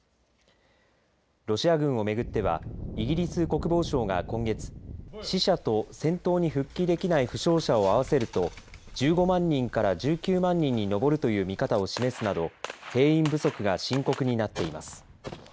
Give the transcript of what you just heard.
ロシア軍を巡ってはイギリス国防省が今月、死者と戦闘に復帰できない負傷者を合わせると１５万人から１９万人に上るという見方を示すなど兵員不足が深刻になっています。